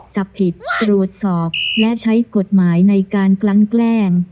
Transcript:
จับผิดตรวจสอบและใช้กฎหมายในการกลั้นแกล้ง